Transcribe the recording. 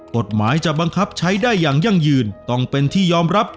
กฎหมายจะบังคับใช้ได้อย่างยั่งยืนต้องเป็นที่ยอมรับ